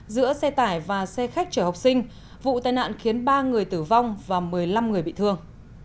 giữa xe tải và xe khách chở học sinh vụ tai nạn khiến ba người tử vong và một mươi năm người bị thương